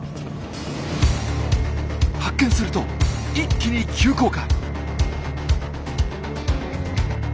発見すると一気に急降下！